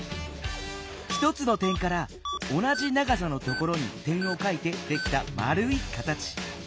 １つの点から同じ長さのところに点をかいてできたまるい形。